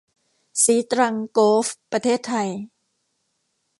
ศรีตรังโกลฟส์ ประเทศไทย